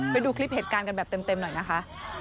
ไปดูคลิปเหตุการณ์กันแบบเต็มหน่อยนะคะ